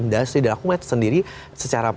dan aku melihat itu sendiri secara